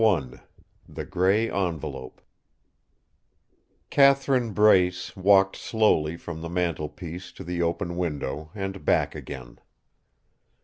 I THE GREY ENVELOPE Catherine Brace walked slowly from the mantel piece to the open window and back again.